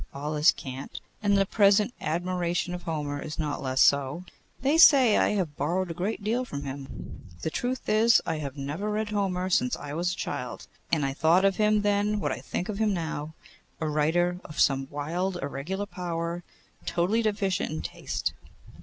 All is cant. And the present admiration of Homer is not less so. They say I have borrowed a great deal from him. The truth is, I never read Homer since I was a child, and I thought of him then what I think of him now, a writer of some wild irregular power, totally deficient in taste.